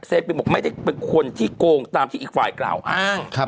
เซปิบบอกไม่ได้เป็นคนที่โกงตามที่อีกไฟล์กล่าวอ้างครับผม